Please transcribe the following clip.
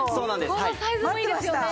このサイズもいいですよね。